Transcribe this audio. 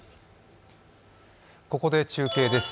ここで中継です。